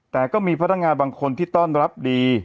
แต่ก็มีพนักงานบางคนที่ต้อนรับดี